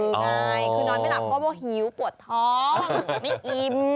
คือนอนไม่หลับก็หิวปวดท้องไม่อิ่ม